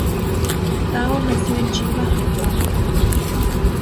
Tao nació en Chiba, Japón.